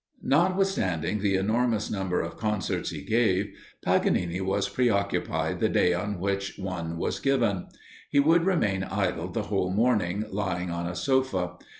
Notwithstanding the enormous number of concerts he gave, Paganini was pre occupied the day on which one was given. He would remain idle the whole morning, lying on a sofa.